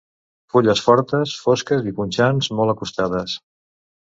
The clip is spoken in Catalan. Fulles fortes, fosques i punxants, molt acostades.